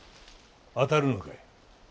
当たるのかい？